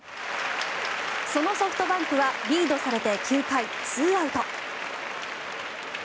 そのソフトバンクはリードされて、９回２アウト。